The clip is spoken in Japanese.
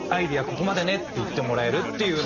ここまでねって言ってもらえるっていうのは。